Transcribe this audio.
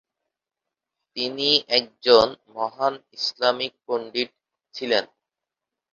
তিনি একজন মহান ইসলামিক পণ্ডিত ছিলেন।